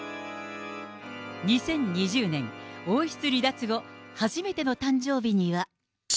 ２０２０年、王室離脱後初めての誕生日には。